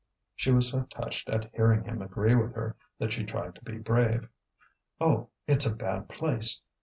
She was so touched at hearing him agree with her that she tried to be brave. "Oh! it's a bad place.